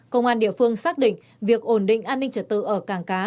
công an địa phương xác định việc ổn định an ninh trật tự ở cảng cá